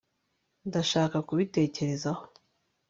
ndashaka kubitekerezaho